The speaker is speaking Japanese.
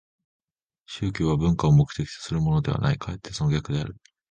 宗教は文化を目的とするものではない、かえってその逆である。